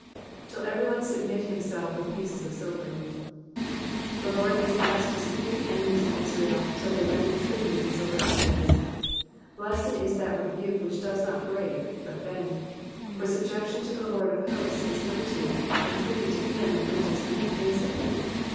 ritt every one submit himself with pieces of silver y The Lord is asked to subdue the enemies of Israel, till they rendered tribute in silver ingots. Blessed is that rebuke, which does not break but bend ; for subjection to the Lord of hosts is liberty, and tribute to him enriches him that pays it.